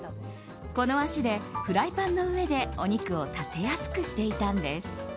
この足で、フライパンの上でお肉を立てやすくしていたんです。